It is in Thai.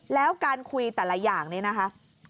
แล้วการคุยแต่ละอย่างนี้นะคะ